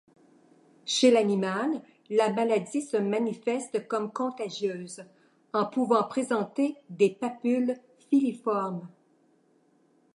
Chez l'animal, la maladie se manifeste comme contagieuse, en pouvant présenter des papules filiformes.